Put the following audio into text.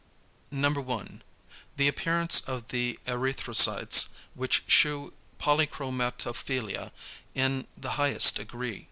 1. The appearance of the erythrocytes which shew polychromatophilia in the highest degree.